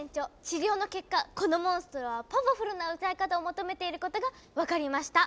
治療の結果このモンストロはパワフルな歌い方を求めていることがわかりました！